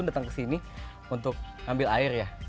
datang ke sini untuk ambil air ya